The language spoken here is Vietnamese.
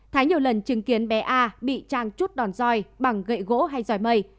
thái nhiều lần chứng kiến bé a bị trang chút đòn dòi bằng gậy gỗ hay dòi mây